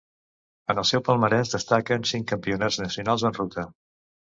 En el seu palmarès destaquen cinc campionats nacionals en ruta.